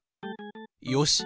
よし。